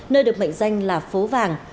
nơi được mệnh danh là phố vàng